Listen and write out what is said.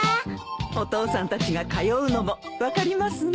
お父さんたちが通うのも分かりますね。